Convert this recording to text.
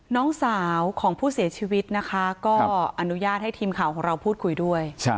น้องสาวของผู้เสียชีวิตนะคะก็อนุญาตให้ทีมข่าวของเราพูดคุยด้วย